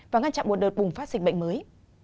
và ngăn chặn một đợt bùng phát dịch bệnh mới